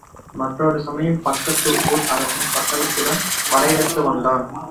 மற்றொரு சமயம் பக்கத்து ஊர் அரசன் பட்டாளத் துடன் படையெடுத்து வந்தான்.